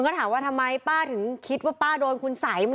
ก็ถามว่าทำไมป้าถึงคิดว่าป้าโดนคุณสัย